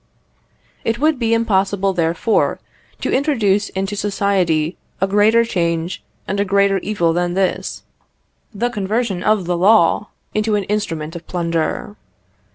It would be impossible, therefore, to introduce into society a greater change and a greater evil than this the conversion of the law into an instrument of plunder.